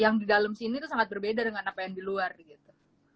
yang di dalam sini itu sangat berbeda dengan apa yang di luar gitu